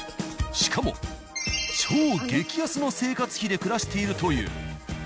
しかも超激安の生活費で暮らしているという。